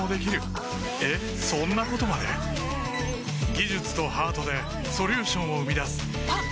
技術とハートでソリューションを生み出すあっ！